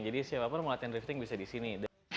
jadi siapa pun mau latihan drifting bisa di sini